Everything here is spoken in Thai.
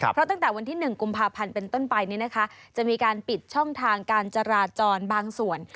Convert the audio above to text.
เพราะตั้งแต่วันที่๑กุมภาพันธ์เป็นต้นไปจะมีการปิดช่องทางการจราจรบางส่วน